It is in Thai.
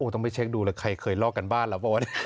ต้องไปเช็คดูใครเคยลอกกันบ้านหรือเปล่า